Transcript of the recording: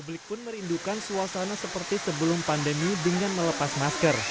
publik pun merindukan suasana seperti sebelum pandemi dengan melepas masker